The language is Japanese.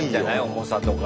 重さとか。